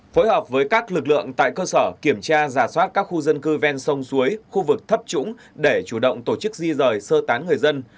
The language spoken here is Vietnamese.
phối hợp với các lực lượng tại cơ sở kiểm tra giả soát các khu dân cư ven sông suối khu vực thấp trũng để chủ động tổ chức di rời sơ tán người dân